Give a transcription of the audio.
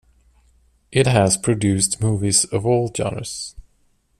It has produced movies of all genres.